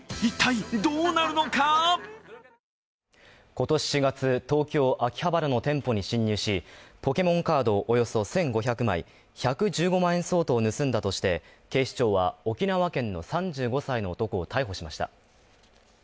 今年４月、東京・秋葉原の店舗に侵入し、ポケモンカードおよそ１５００枚１１５万円相当を盗んだとして、警視庁は、沖縄県の３５歳の男を逮捕しました。